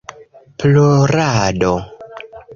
Plorado